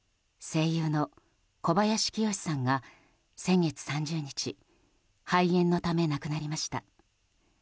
声優の小林清志さんが先月３０日肺炎のため亡くなりました。